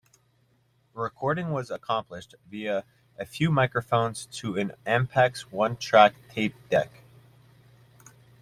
Recording was accomplished via a few microphones to an Ampex one-track tape deck.